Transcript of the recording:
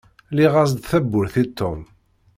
Lliɣ-as-d tawwurt i Tom.